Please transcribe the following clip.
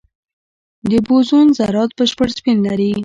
د بوزون ذرات بشپړ سپین لري.